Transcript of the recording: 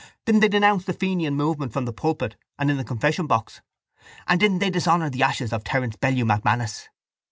Didn't they denounce the fenian movement from the pulpit and in the confession box? And didn't they dishonour the ashes of Terence Bellew MacManus?